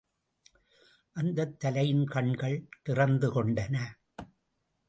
அந்தத் தலையின் கண்கள் திறந்து கொண்டன.